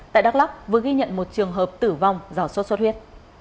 tại đắk lắk vừa ghi nhận một trường hợp tử vong do sốt xuất huyết